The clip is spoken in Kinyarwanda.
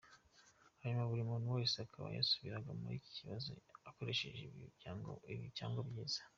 Hanyuma buri muntu wese akaba yarasubizaga buri kibazo akoresheje bibi cyangwa byiza.